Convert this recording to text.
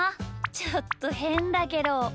ちょっとへんだけど。